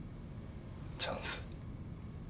チャンス？